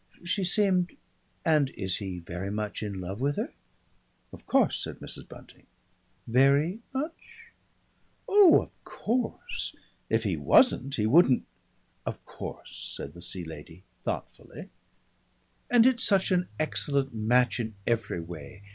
"She seemed And is he very much in love with her?" "Of course," said Mrs. Bunting. "Very much?" "Oh of course. If he wasn't, he wouldn't " "Of course," said the Sea Lady thoughtfully. "And it's such an excellent match in every way.